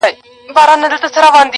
د زمانې په افسانو کي اوسېدلی چنار-